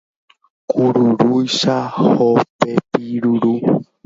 Kururúicha hopepi ruru